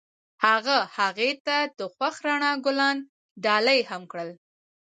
هغه هغې ته د خوښ رڼا ګلان ډالۍ هم کړل.